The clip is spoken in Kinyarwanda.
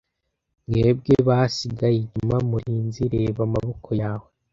Mwebwe basigaye inyuma murinzi! reba amaboko yawe!